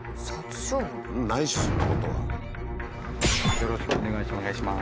よろしくお願いします。